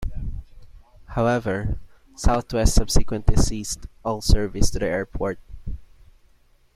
However, Southwest subsequently ceased all service to the airport.